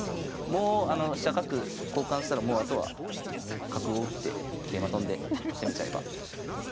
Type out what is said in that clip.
もう飛車角交換したらもうあとは角を打って桂馬跳んで攻めちゃえば。